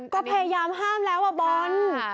ก็พยายามห้ามแล้วว่าบอล